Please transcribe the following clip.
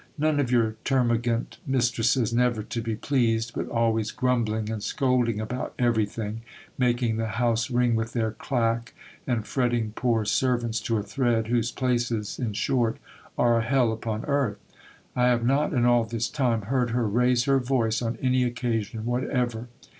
None of your termagant mistresses, never to be pleased, but always grumbling and scolding about everything, making the house ring with their clack, and fretting poor servants to a thread, whose places, in short, are a hell upon earth ! I have not in all this time heard her raise her voice on any occasion whatever.